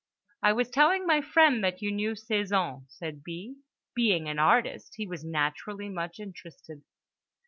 "I was telling my friend that you knew Cézanne," said B. "Being an artist he was naturally much interested."